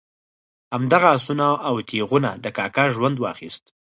همدغه آسونه او تیغونه د کاکا ژوند واخیست.